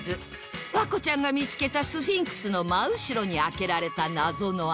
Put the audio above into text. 環子ちゃんが見つけたスフィンクスの真後ろに開けられた謎の穴